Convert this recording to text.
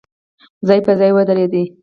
ځای په ځای ودرېد.